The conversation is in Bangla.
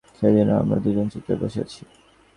সেদিনও আমরা দুজন চুপচাপ বসে আছি।